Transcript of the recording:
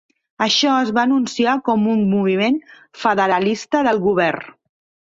Això es va anunciar com un moviment federalista del govern.